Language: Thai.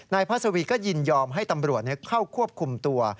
พระสวีก็ยินยอมให้ตำรวจเข้าควบคุมตัว